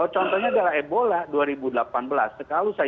contohnya adalah ebola dua ribu delapan belas